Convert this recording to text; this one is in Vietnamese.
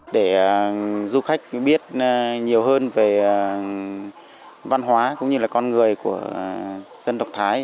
để du khách biết nhiều hơn về văn hóa cũng như là con người của dân tộc thái